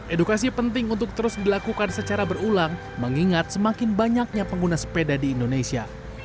edukasi penting untuk terus dilakukan secara berulang mengingat semakin banyaknya pengguna sepeda di indonesia